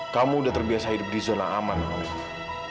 kamu udah terbiasa hidup di zona aman manusia